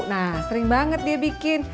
nah sering banget dia bikin